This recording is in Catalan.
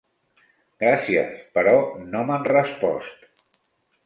Gràcies, però no m'han respost.